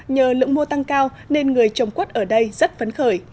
nhờ lượng mua tăng cao nên người trồng quất ở đây rất phấn khởi